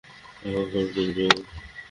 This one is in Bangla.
আবার ফোন করবে ও?